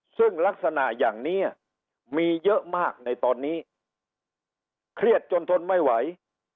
ซึ่งลักษณะอย่างนี้มีเยอะมากในตอนนี้เครียดจนทนไม่ไหว